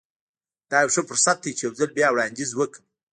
دا يو ښه فرصت دی چې يو ځل بيا وړانديز وکړم.